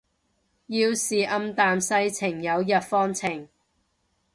要是暗淡世情有日放晴